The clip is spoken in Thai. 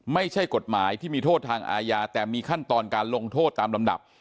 ไม่ใช่กฎหมายที่มีโทษทางอาญาแต่มีขั้นตอนการลงโทษตามลำดับ